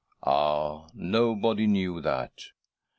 ' Ah ! nobody knew that.